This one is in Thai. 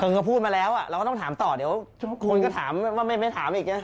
ก็พูดมาแล้วเราก็ต้องถามต่อเดี๋ยวทุกคนก็ถามว่าไม่ถามอีกนะ